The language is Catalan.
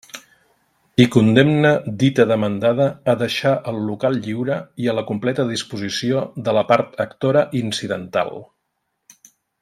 I condemne dita demandada a deixar el local lliure i a la completa disposició de la part actora incidental.